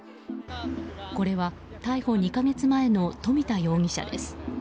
これは、逮捕２か月前の富田容疑者です。